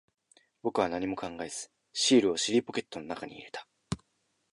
僕は何も考えず、シールを尻ポケットの中に入れた。